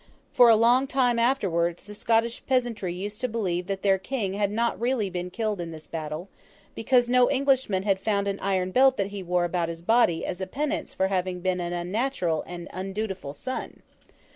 For a long time afterwards, the Scottish peasantry used to believe that their King had not been really killed in this battle, because no Englishman had found an iron belt he wore about his body as a penance for having been an unnatural and undutiful son.